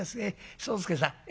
宗助さん